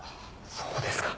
そうですか。